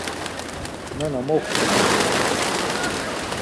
Nana moxtu-i?